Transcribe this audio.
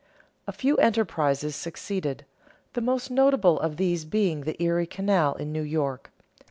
A few enterprises succeeded, the most notable of these being the Erie Canal in New York.